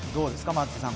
松井さん